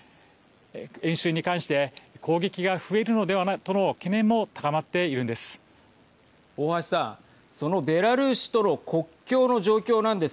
演習に関して攻撃が増えるのではとの懸念も高まっているんです。